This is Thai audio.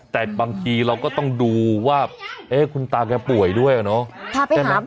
แต่บางทีเราก็ต้องดูว่าคุณตาแกป่วยด้วยอะเนาะ